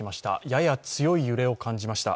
やや強い揺れを感じました。